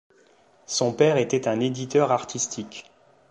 Son père était un éditeur artistique.